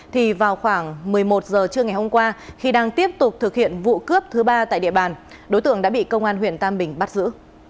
thì vào khoảng một mươi một giờ trưa ngày hôm qua khi đang tiếp tục thực hiện vụ cướp thứ ba tại địa bàn đối tượng đã bị công an huyện tam bình bắt giữ